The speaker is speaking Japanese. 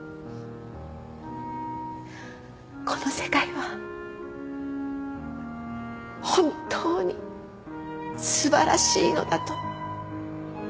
この世界は本当に素晴らしいのだと。